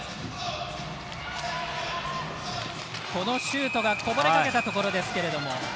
このシュートが抜けたところですけれども。